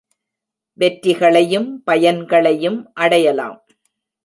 வெற்றிகளையும் பயன்களையும் அடையலாம்.